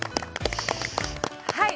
はい。